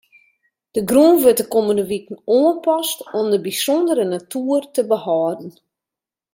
De grûn wurdt de kommende wiken oanpast om de bysûndere natuer te behâlden.